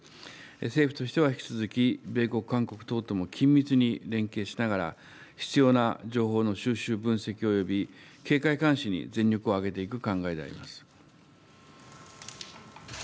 政府としては引き続き、米国、韓国等とも緊密に連携しながら、必要な情報の収集分析および、警戒監視に全力を挙げていく考えであります。